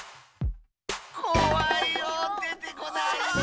こわいよでてこない。